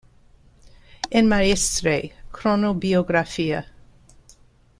El Maestre – Cronobiografía.